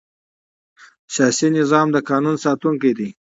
سیاسي نظام د قانون ساتونکی دی